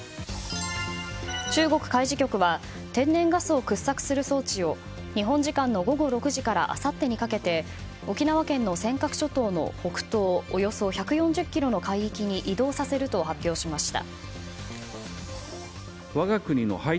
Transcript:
中国海事局は天然ガスを掘削する装置を日本時間の午後６時からあさってにかけて沖縄県の尖閣諸島の北東およそ１４０ｋｍの海域に移動させると発表しました。